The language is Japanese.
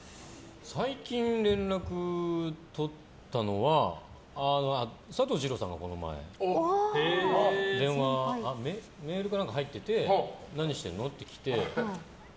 最近、連絡取ったのは佐藤二朗さんはこの前メールか何かが入ってて何してるの？